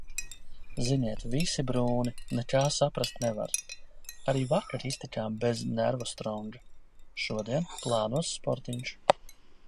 Ziniet, visi brūni, nekā saprast nevar. Arī vakar iztikām bez nervostronga. Šodien plānos sportiņš.